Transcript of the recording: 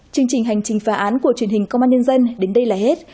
chương trình hành trình phá án của truyền hình công an nhân dân đến đây là hết